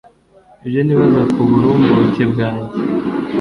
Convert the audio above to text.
ibyo nibaza ku burumbuke bwanjye